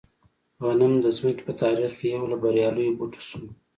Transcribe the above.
غنم د ځمکې په تاریخ کې یو له بریالیو بوټو شو.